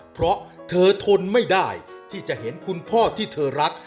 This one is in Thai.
เพราะเธอทนไม่ได้ที่จะเห็นคุณพ่อที่เธอรัก